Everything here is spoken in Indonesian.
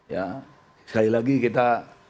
ya sekali lagi kita